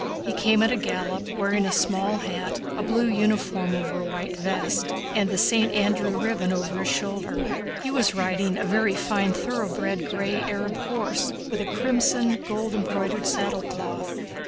He came at a gallop, wearing a small hat, a blue uniform open over a white vest, and the St. Andrew ribbon over his shoulder. He was riding a very fine thoroughbred gray Arab horse with a crimson gold embroidered saddlecloth.